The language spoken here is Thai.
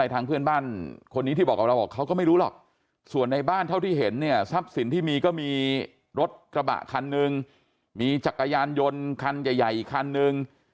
ที่เห็นเนี่ยทรัพย์สินที่มีก็มีรถกระบะคันหนึ่งมีจักรยานยนต์คันใหญ่อีกคันหนึ่ง